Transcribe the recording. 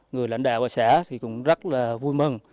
người lãnh đạo ở xã thì cũng rất là vui mừng